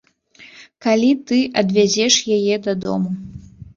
Калі ты адвязеш яе дадому.